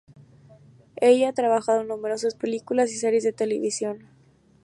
Ella ha trabajado en numerosas películas y series de televisión.